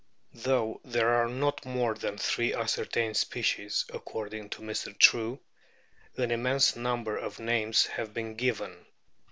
Though there are not more than three ascertained species (according to Mr. True), an immense number of names have been given.